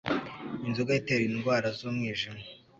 Inzoga itera indwara z'umwijima